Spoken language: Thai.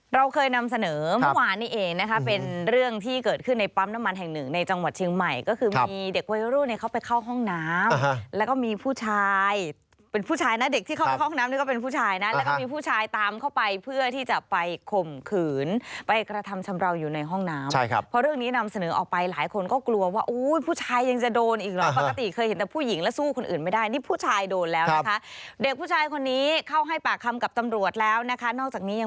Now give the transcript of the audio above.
เราเคยนำเสนอเมื่อวานนี้เองนะคะเป็นเรื่องที่เกิดขึ้นในปั๊มน้ำมันแห่งหนึ่งในจังหวัดเชียงใหม่ก็คือมีเด็กไว้รู้ในเข้าไปเข้าห้องน้ำแล้วก็มีผู้ชายเป็นผู้ชายนะเด็กที่เข้าห้องน้ำนี่ก็เป็นผู้ชายนะแล้วก็มีผู้ชายตามเข้าไปเพื่อที่จะไปข่มขืนไปกระทำชำระอยู่ในห้องน้ำใช่ครับเพราะเรื่องนี้นำเสนอออกไปหลายคนก็กลั